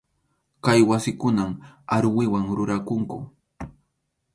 Kay wasikunan aruwiwan rurakunku.